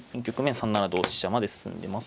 ３七同飛車まで進んでます。